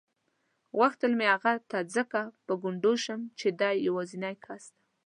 غوښتل مې هغه ته ځکه په ګونډو شم چې دی یوازینی کس و.